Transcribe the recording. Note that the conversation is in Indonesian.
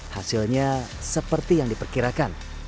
hasilnya seperti yang diperkirakan